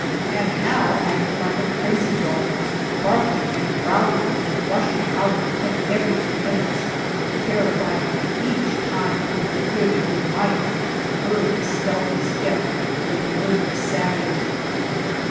And Hal acted like a crazy dog barking and growling and rushing out of the tent every two minutes, terrifying me each time with the fear that he might have heard the stealthy step of a murderous savage.